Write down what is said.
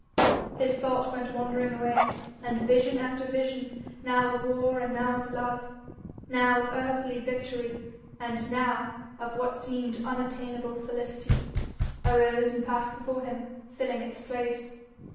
His thought went wandering away, and vision after vision, now of war and now of love, now of earthly victory and now of what seemed unattainable felicity, arose and passed before him, filling its place.